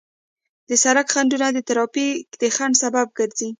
د سړک خنډونه د ترافیک د ځنډ سبب ګرځي.